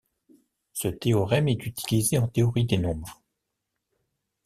Ce théorème est utilisé en théorie des nombres.